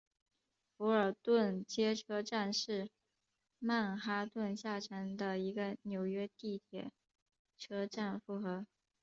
福尔顿街车站是曼哈顿下城的一个纽约地铁车站复合。